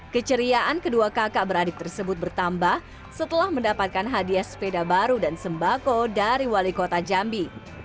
keceriaan kedua kakak beradik tersebut bertambah setelah mendapatkan hadiah sepeda baru dan sembako dari wali kota jambi